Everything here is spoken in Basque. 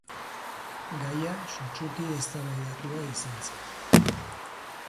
Gaia sutsuki eztabaidatua izan zen.